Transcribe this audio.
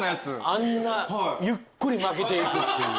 あんなゆっくり負けていくっていう。